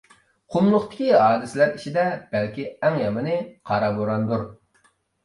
قۇملۇقتىكى ھادىسىلەر ئىچىدە بەلكى ئەڭ يامىنى قارا بوراندۇر.